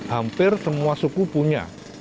hampir semua suku punya